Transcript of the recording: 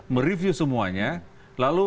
mereview semuanya lalu